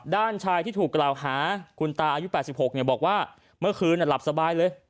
ชายที่ถูกกล่าวหาคุณตาอายุ๘๖บอกว่าเมื่อคืนหลับสบายเลย